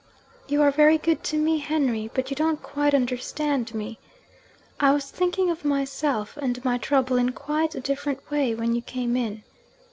'You are very good to me, Henry; but you don't quite understand me. I was thinking of myself and my trouble in quite a different way, when you came in.